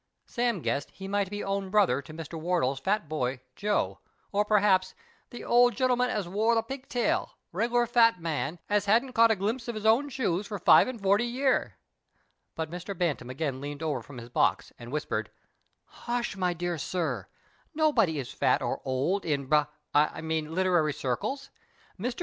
Sam guessed lie might be own brother to Mr. Wardle's Fat Boy, Joe, or j)erhaps " the old gen'l'm'n as wore the pigtail — rcg'lar fat man, as hadn't caught a glimpse of his own shoes for live and forty year," but Mr. Bantam again leaned over from his box and whispered :—" Hush h li, my dear sir, nobody is fat or old in Ba a 1 mean in literary circles. Mr.